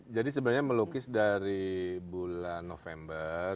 jadi sebenarnya melukis dari bulan november